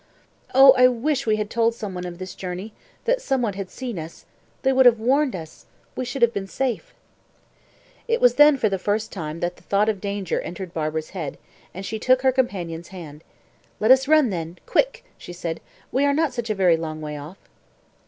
Oh, I wish we had told some one of this journey that some one had seen us. They would have warned us. We should have been safe." It was then for the first time that the thought of danger entered Barbara's head, and she took her companion's hand. "Let us run, then. Quick!" she said. "We are not such a very long way off."